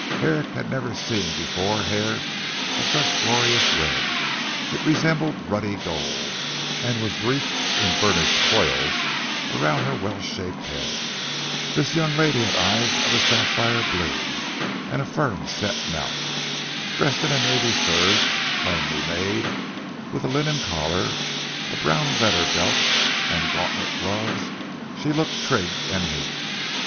Herrick had never before seen hair of such a glorious red; it resembled ruddy gold, and was wreathed in burnished coils round her well shaped head. This young lady had eyes of a sapphire blue, and a firm set mouth. Dressed in a navy serge plainly made, with a linen collar, a brown leathern belt, and gauntlet gloves, she looked trig and neat.